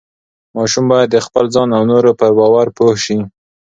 ماشوم باید د خپل ځان او نورو پر باور پوه شي.